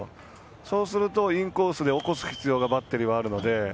そうすると、インコースで起こす必要があるので。